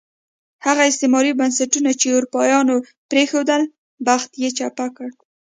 هغه استعماري بنسټونه چې اروپایانو پرېښودل، بخت یې چپه کړ.